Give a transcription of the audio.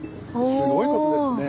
すごいことですね。